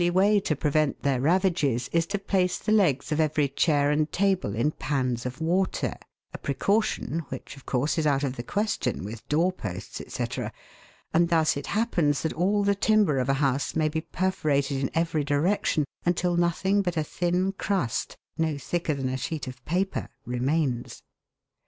199 way to prevent their ravages is to place the legs of every chair and table in pans of water, a precaution, which, of course, is out of the question with door posts, &c., and thus it happens that all the timber of a house may be perforated in every direction until nothing but a thin crust, no thicker than a sheet of paper, remains.